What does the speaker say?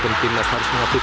dan tetap tertata dengan baik